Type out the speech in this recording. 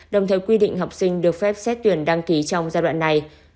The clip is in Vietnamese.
đồng thời quy định học sinh được phép xét tuyển đăng ký trong giai đoạn này